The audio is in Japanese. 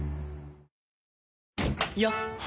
よっ！